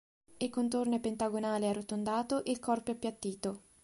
Il contorno è pentagonale e arrotondato e il corpo è appiattito.